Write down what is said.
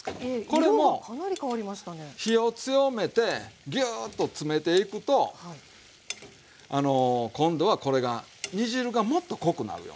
これも火を強めてギューッとつめていくと今度はこれが煮汁がもっと濃くなるよね。